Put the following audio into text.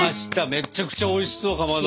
めちゃくちゃおいしそうかまど。